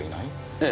ええ。